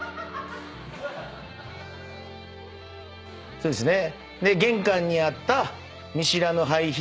そうですね。